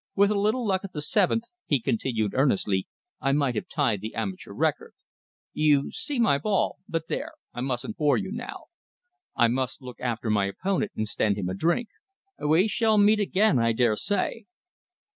"With a little luck at the seventh," he continued earnestly, "I might have tied the amateur record. You see, my ball but there, I mustn't bore you now. I must look after my opponent and stand him a drink. We shall meet again, I daresay."